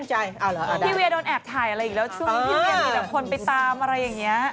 หน้านี่สิแม่